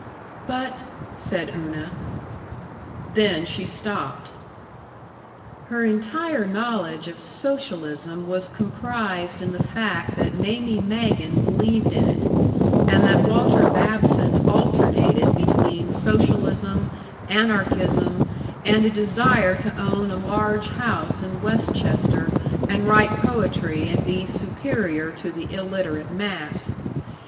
"But " said Una. Then she stopped. Her entire knowledge of socialism was comprised in the fact that Mamie Magen believed in it, and that Walter Babson alternated between socialism, anarchism, and a desire to own a large house in Westchester and write poetry and be superior to the illiterate mass.